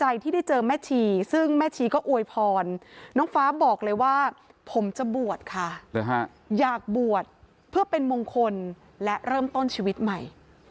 อยากบวชค่ะอยากบวชเพื่อเป็นมงคลและเริ่มต้นชีวิตใหม่